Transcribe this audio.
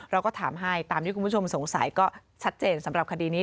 เราก็ถามให้ตามที่คุณผู้ชมสงสัยก็ชัดเจนสำหรับคดีนี้